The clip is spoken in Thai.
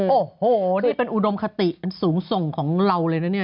โอ้โหนี่เป็นอุดมคติอันสูงส่งของเราเลยนะเนี่ย